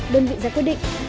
đơn vị ra quyết định